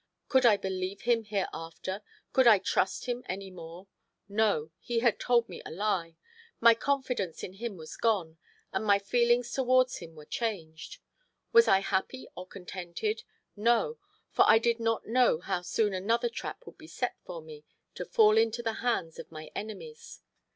Could I believe him hereafter? Could I trust him any more? No! he had told me a lie. My confidence in him was gone, and my feelings towards him were changed. Was I happy or contented? No! for I did not know how soon another trap would be set for me to fall into the hands of my enemies.